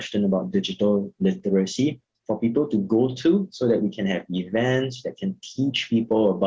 seperti yang saya sebutkan tadi dan seperti pertanyaan tentang literasi digital